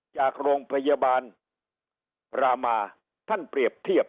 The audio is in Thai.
จากโรงพยาบาลรามาท่านเปรียบเทียบ